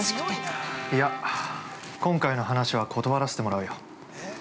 ◆いや、今回の話は断らせてもらうよ。